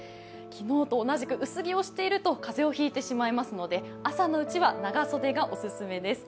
昨日と同じく薄着をしていると風邪をひいてしまいますので朝のうちは長袖がオススメです。